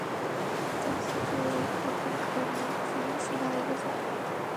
吊丝竹为禾本科牡竹属下的一个种。